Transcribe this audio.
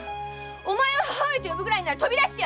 お前を母上と呼ぶくらいなら飛び出してやる！